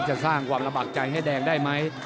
จะสร้างความระบากใจให้แดงได้ไหม